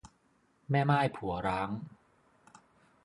แม่ม่ายผัวร้าง